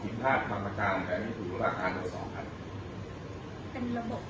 หรือที่ก็ข้อมูลจากโลกการผิดใส่ร่วมสก่อภายใจจากเกียรติฯ